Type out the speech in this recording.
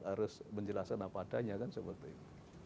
harus menjelaskan apa adanya kan seperti ini